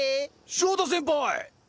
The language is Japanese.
翔太先輩？